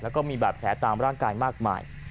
แล้วก็มีบาดแผลตามร่างกายมากมาย